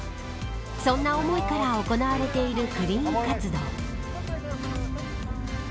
そんな思いから行われているクリーン活動。